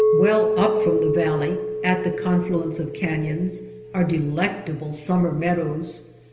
Well up from the valley, at the conflu ence of caiions, are delectable summer meadows.